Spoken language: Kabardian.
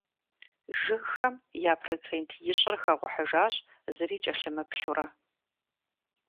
Жыгхэм я процент ищӏыр хэгъухьыжащ зыри кӀэлъымыплъурэ.